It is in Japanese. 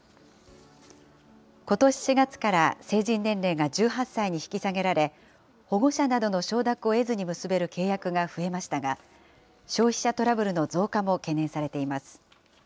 ことし４月から成人年齢が１８歳に引き下げられ、保護者などの承諾を得ずに結べる契約が増えましたが、消費者トラブルの増加も懸念されています。